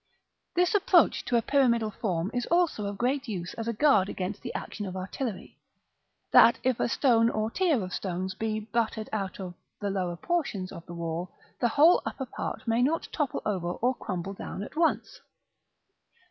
This approach to a pyramidal form is also of great use as a guard against the action of artillery; that if a stone or tier of stones be battered out of the lower portions of the wall, the whole upper part may not topple over or crumble down at once.